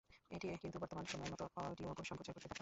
এটি কিন্তু বর্তমান সময়ের মত অডিও সম্প্রচার করতে পারত না।